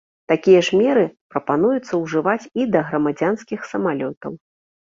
Такія ж меры прапануецца ўжываць і да грамадзянскіх самалётаў.